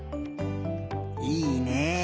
いいね。